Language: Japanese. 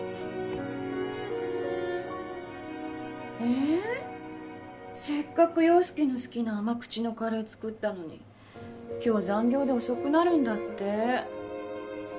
えぇせっかく陽佑の好きな甘口のカレー作ったのに今日は残業で遅くなるんだって。